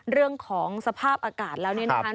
เรื่องของสภาพอากาศแล้วเนี่ยนะคะ